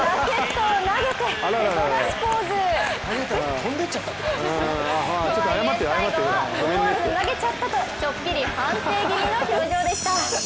とはいえ、最後は思わず投げちゃったとちょっぴり反省気味の表情でした。